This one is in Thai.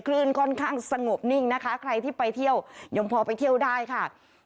คลื่นค่อนข้างสงบนิ่งนะคะใครที่ไปเที่ยวยังพอไปเที่ยวได้ค่ะ